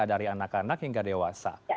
dari anak anak hingga dewasa